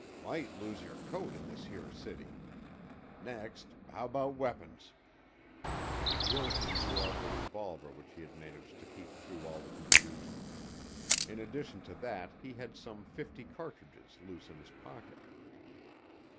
"Might lose yer coat in this here city. Next, how 'bout weapins?" Wilson drew out the revolver which he had managed to keep through all the confusion. In addition to that he had some fifty cartridges loose in his pocket.